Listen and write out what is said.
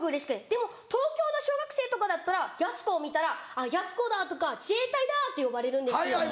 でも東京の小学生とかだったらやす子を見たら「あっやす子だ」とか「自衛隊だ」って呼ばれるんですよ。